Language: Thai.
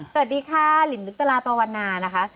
สวัสดีค่ะลินฤตลาปวันนานะคะ